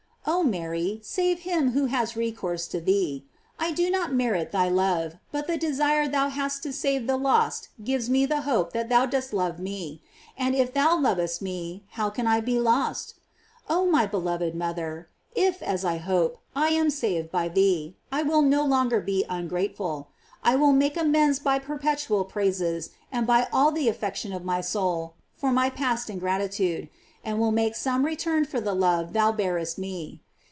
Oh Mary, save him who has recourse to thee. I do not merit thy love, but the desire thou hast to save the lost gives me the hope that thou dost love me; and if thou lovest me, how can I be lost? Oh my beloved mother, if, as I hope, I am saved by thee, I will no longer be ungrateful; I will make amends by perpetual praises and by all the affec* tion of my soul for my past ingratitude, and will make some return for the love thou bearest me.